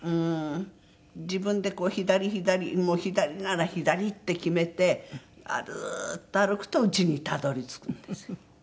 自分でこう左左もう左なら左って決めてずーっと歩くとうちにたどり着くんですよ。